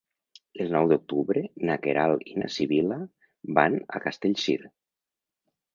El nou d'octubre na Queralt i na Sibil·la van a Castellcir.